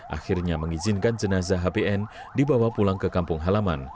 akhirnya mengizinkan jenazah hbn dibawa pulang ke kampung halaman